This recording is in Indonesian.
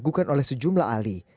diragukan oleh sejumlah ahli